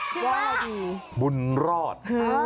ชื่อว่าบุญรอด